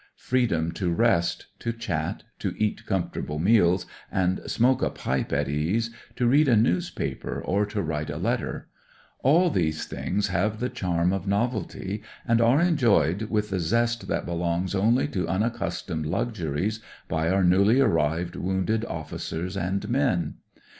Freedom to rest, to chat, to eat comfortable meals and smoke a pipe at ease, to read a newspaper or to write a letter — all these things have the charm of novelty and are enjoyed with the zest that belongs only to imaccustomed luxuries by oiu* newly arrived wounded officers and men.